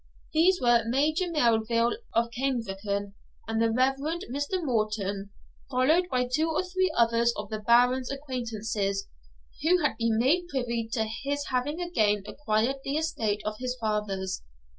These were Major Melville of Cairnvreckan and the Reverend Mr. Morton, followed by two or three others of the Baron's acquaintances, who had been made privy to his having again acquired the estate of his fathers.